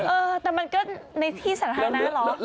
เออแต่มันก็ในที่สาธารณะเหรอ